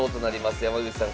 山口さん